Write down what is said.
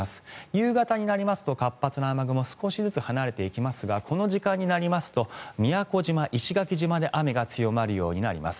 夕方になりますと活発な雨雲少しずつ離れていきますがこの時間になりますと宮古島、石垣島で雨が強まるようになります。